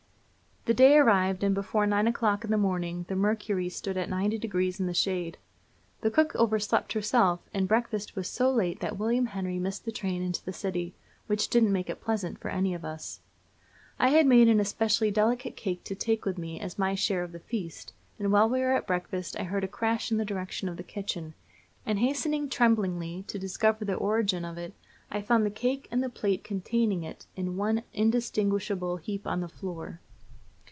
The day arrived, and before nine o'clock in the morning the mercury stood at ninety degrees in the shade. The cook overslept herself, and breakfast was so late that William Henry missed the train into the city, which didn't make it pleasanter for any of us. I had made an especially delicate cake to take with me as my share of the feast, and while we were at breakfast I heard a crash in the direction of the kitchen, and hastening tremblingly to discover the origin of it I found the cake and the plate containing it in one indistinguishable heap on the floor.